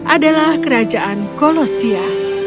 adalah kerajaan kolosia